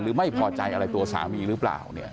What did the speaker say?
หรือไม่พอใจอะไรตัวสามีหรือเปล่าเนี่ย